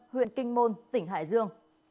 huyện kinh môn tỉnh hải dương